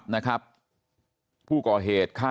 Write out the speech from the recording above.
ส่วนเรื่องทางคดีนะครับตำรวจก็มุ่งไปที่เรื่องการฆาตฉิงทรัพย์นะครับ